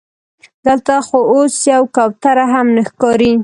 دلته خو اوس یوه کوتره هم نه ښکاري.